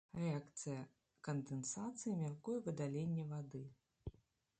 Рэакцыя кандэнсацыі мяркуе выдаленне вады.